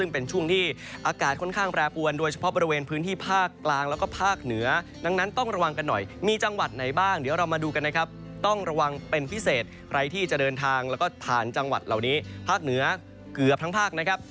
ผ่านจังหวัดเหล่านี้ภาคเหนือเกือบทั้งภาคนะครับ